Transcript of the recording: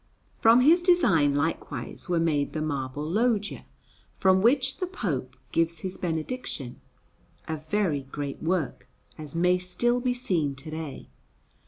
From his design, likewise, were made the marble loggie from which the Pope gives his benediction a very great work, as may still be seen to day.